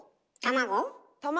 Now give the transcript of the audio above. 卵？